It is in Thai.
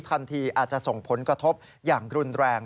อาจจะส่งผลกระทบอย่างรุนแรง